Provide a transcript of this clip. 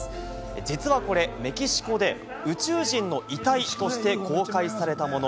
実はこれ、メキシコで宇宙人の遺体として公開されたもの。